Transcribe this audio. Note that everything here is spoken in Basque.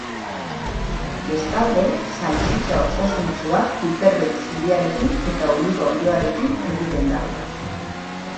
Bestalde, saltxitxa osasuntsua piperbeltz zuriarekin eta oliba-olioarekin egiten da.